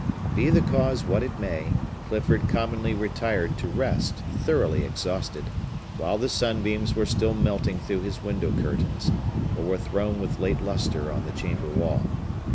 Be the cause what it might, Clifford commonly retired to rest, thoroughly exhausted, while the sunbeams were still melting through his window curtains, or were thrown with late lustre on the chamber wall.